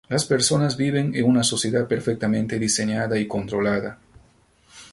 Las personas viven en una sociedad perfectamente diseñada y controlada.